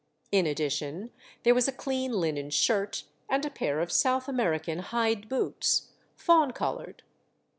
In addition, there was a clean linen shirt, and a pair of South American hide boots, fawn coloured.